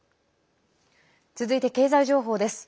続いて経済情報です。